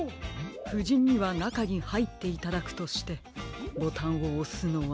ふじんにはなかにはいっていただくとしてボタンをおすのは。